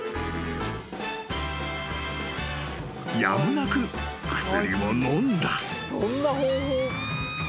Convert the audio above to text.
［やむなく薬を飲んだ］